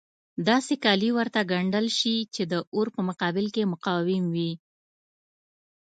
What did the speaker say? داسې کالي ورته ګنډل شي چې د اور په مقابل کې مقاوم وي.